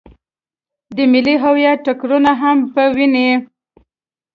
د ملي هویت ټکرونه هم په ويني.